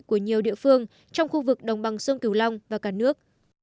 của nhiều địa phương trong khu vực đồng bằng sông kiều long và cả nước